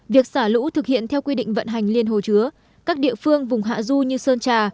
việc xả lũ thực hiện theo quy định vận hành liên hồ chứa các địa phương vùng hạ du như sơn trà